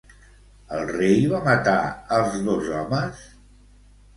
El rei va matar els dos homes?